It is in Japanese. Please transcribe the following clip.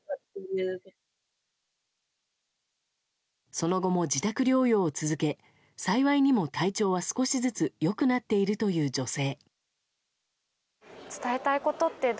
その後も自宅療養を続け幸いにも体調は少しずつ良くなっているという女性。